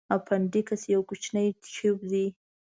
اپنډکس یو کوچنی تیوب دی.